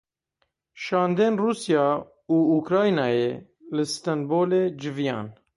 Şandên Rûsya û Ukraynayê li Stenbolê civiyan.